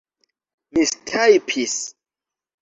mistajpis